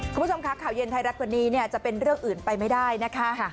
คุณผู้ชมค่ะข่าวเย็นไทยรัฐวันนี้จะเป็นเรื่องอื่นไปไม่ได้นะคะ